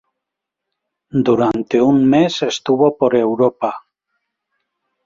Durante un mes estuvo por Europa.